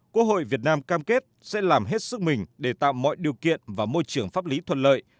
quốc hội việt nam cam kết sẽ làm hết sức mình để tạo mọi điều kiện và môi trường pháp lý thuận lợi